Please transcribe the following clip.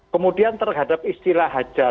kemudian terhadap istilah hajar